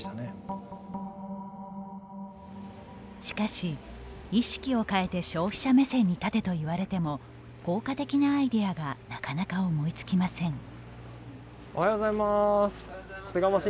しかし、意識を変えて消費者目線に立てと言われても効果的なアイデアがなかなか思いつきません。